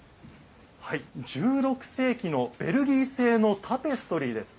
１６世紀のベルギー製のタペストリーです。